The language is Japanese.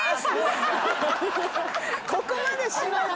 ここまでしない。